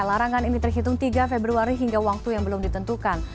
larangan ini terhitung tiga februari hingga waktu yang belum ditentukan